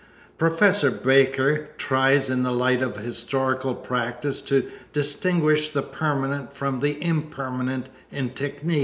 Professor Baker "tries in the light of historical practice to distinguish the permanent from the impermanent in technic."